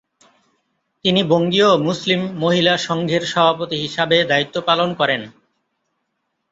তিনি বঙ্গীয় মুসলিম মহিলা সংঘের সভাপতি হিসাবে দায়িত্ব পালন করেন।